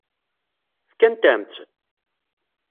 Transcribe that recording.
Fkant-am-tt?